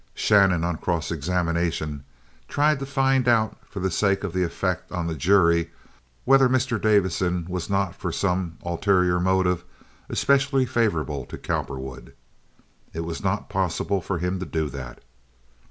Shannon, on cross examination, tried to find out for the sake of the effect on the jury, whether Mr. Davison was not for some ulterior motive especially favorable to Cowperwood. It was not possible for him to do that.